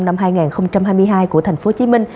năm hai nghìn hai mươi hai của tp hcm